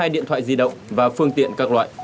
ba mươi hai điện thoại di động và phương tiện các loại